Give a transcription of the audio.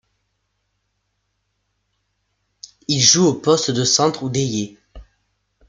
Il joue aux postes de centre ou d'ailier.